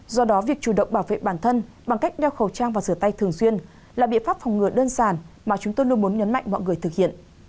do đó việc chủ động bảo vệ bản thân bằng cách đeo khẩu trang và rửa tay thường xuyên là biện pháp phòng ngừa đơn giản mà chúng tôi luôn muốn nhấn mạnh mọi người thực hiện